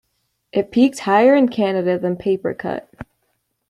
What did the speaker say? It peaked higher in Canada than "Papercut".